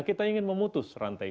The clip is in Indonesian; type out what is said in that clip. nah kita ingin memutus rantai itu